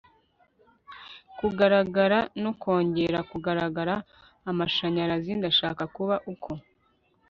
kugaragara no kongera kugaragara - amashanyarazi! ndashaka kuba uko